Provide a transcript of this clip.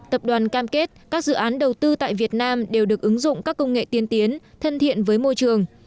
tập đoàn cam kết các dự án đầu tư tại việt nam đều được ứng dụng các công nghệ tiên tiến thân thiện với môi trường